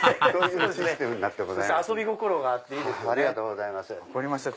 遊び心があっていいですよね。